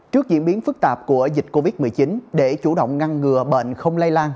trước diễn biến phức tạp của dịch covid một mươi chín để chủ động ngăn ngừa bệnh không lây lan